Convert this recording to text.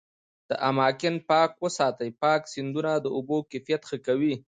دا اماکن پاک وساتي، پاک سیندونه د اوبو کیفیت ښه کوي.